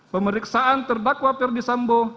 pemeriksaan terdakwa elegis sambuh